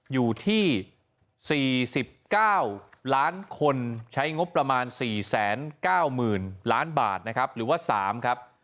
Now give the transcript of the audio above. อยู่ที่๔๙ล้านคนใช้งบประมาณ๔๙๐๐๐ล้านบาทนะครับหรือว่า๓ครับ